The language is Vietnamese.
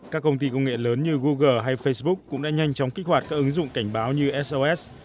các công ty công nghệ lớn như google hay facebook cũng đã nhanh chóng kích hoạt các ứng dụng cảnh báo như sos